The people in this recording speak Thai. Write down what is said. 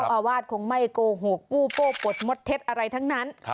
อาวาสคงไม่โกหกกู้โป้ปลดมดเท็จอะไรทั้งนั้น